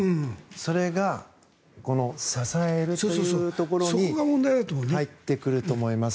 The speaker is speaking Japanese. それがこの支えるというところに入ってくると思います。